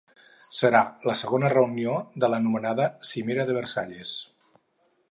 Serà la segona reunió de l’anomenada ‘cimera de Versalles’.